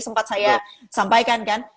sempat saya sampaikan kan